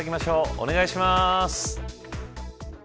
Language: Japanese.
お願いします。